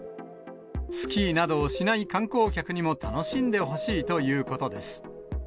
スキーなどをしない観光客にも楽しんでほしいということです。